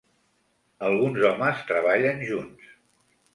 Alguns homes treballen junts.